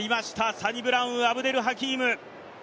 サニブラウン・アブデル・ハキーム。